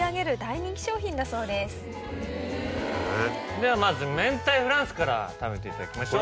ではまずめんたいフランスから食べていただきましょう。